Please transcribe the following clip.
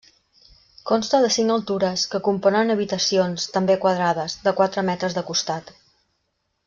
Consta de cinc altures, que componen habitacions, també quadrades, de quatre metres de costat.